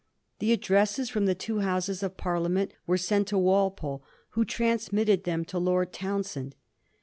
The addresses from the two Houses of Parliament were sent to Walpole, who transmitted them to Lord Townshend.